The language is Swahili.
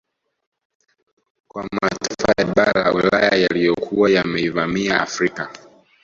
Kwa mataifa ya bara la Ulaya yaliyokuwa yameivamia Afrika